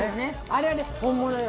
あれはね本物よ。